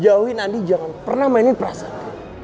jauhin andi jangan pernah mainin prasad